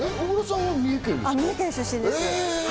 私、三重県出身なんです。